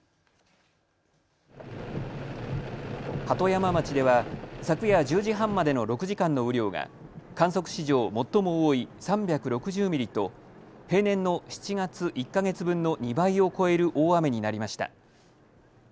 鳩山町では昨夜１０時半までの６時間の雨量が観測史上最も多い３６０ミリと平年の７月１か月分の２倍を超える大雨になりました。